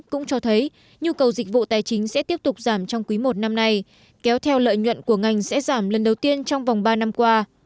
cũng cho thấy nhu cầu dịch vụ tài chính sẽ tiếp tục giảm trong quý i năm nay kéo theo lợi nhuận của ngành sẽ giảm lần đầu tiên trong vòng ba năm qua